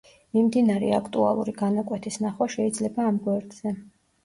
მიმდინარე აქტუალური განაკვეთის ნახვა შეიძლება ამ გვერდზე.